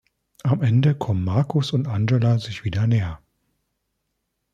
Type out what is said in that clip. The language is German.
Am Ende kommen Marcus und Angela sich wieder näher.